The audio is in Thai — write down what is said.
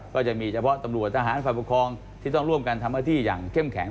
ก็จะมีเฉพาะตำรวจทหารฝ่ายปกครองที่ต้องร่วมกันทำหน้าที่อย่างเข้มแข็ง